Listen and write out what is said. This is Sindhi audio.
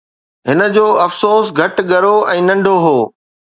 هن جو افسوس گهٽ ڳرو ۽ ننڍو هو